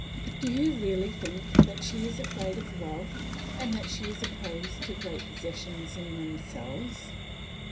"Do you really think that she is afraid of wealth, and that she is opposed to great possessions in themselves?